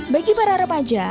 bagi para remaja